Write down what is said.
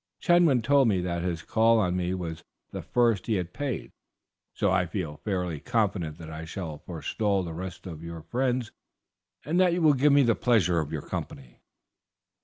Chetwynd told me that his call on me was the first he had paid, so I feel fairly confident that I shall forestall the rest of your friends, and that you will give me the pleasure of your company."